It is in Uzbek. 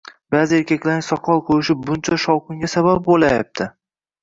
ba’zi erkaklarning soqol qo‘yishi buncha shovqinga sabab bo‘layapti?